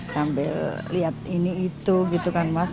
sambil lihat ini itu gitu kan mas